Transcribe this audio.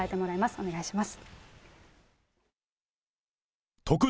お願いします。